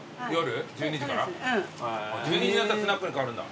１２時になったらスナックに変わるんだ。